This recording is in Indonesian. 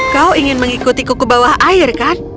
kau ingin mengikuti kuku bawah air kan